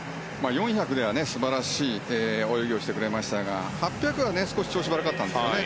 ４００ｍでは素晴らしい泳ぎをしてくれたんですが８００ｍは少し調子が悪かったんですよね。